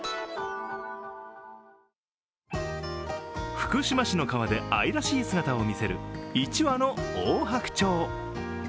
福島市の川で、愛らしい姿をみせる、一羽のオオハクチョウ。